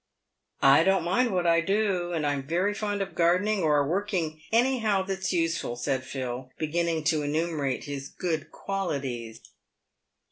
" I don't mind what I do, and I am very fond of gardening, or working anyhow that's useful," said Phil, beginning to enumerate his good qualities.